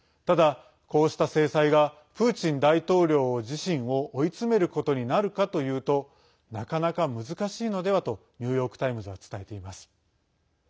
ただ、こうした制裁がプーチン大統領自身を追い詰めることになるかというとなかなか難しいのではとニューヨーク・タイムズは伝えています。